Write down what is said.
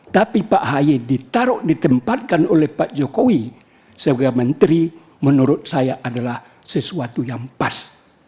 tapi pak haye ditaruh ditempatkan oleh pak jokowi sebagai menteri menurut saya adalah sesuatu yang pas